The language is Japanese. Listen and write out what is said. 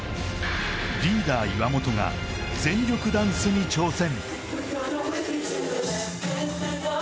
リーダー岩本が全力ダンスに挑戦